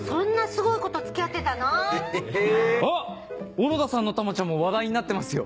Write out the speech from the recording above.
小野田さんのたまちゃんも話題になってますよ。